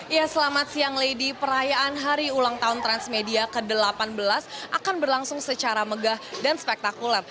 ya selamat siang lady perayaan hari ulang tahun transmedia ke delapan belas akan berlangsung secara megah dan spektakuler